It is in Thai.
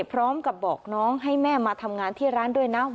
พร้อมกับบอกน้องให้แม่มาทำงานที่ร้านด้วยนะ